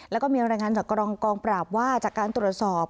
แล้วก็มีรายงานจากกองปราบว่าจากการตรวจสอบ